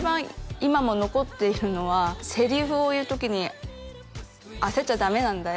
今も残っているのはセリフを言う時に焦っちゃダメなんだよ